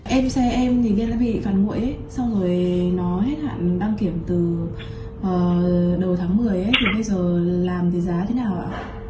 em xe em thì ghen đã bị phản nguội xong rồi nó hết hạn đăng kiểm từ đầu tháng một mươi thì bây giờ làm thì giá thế nào ạ